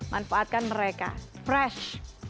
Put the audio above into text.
manfaatkan mereka fresh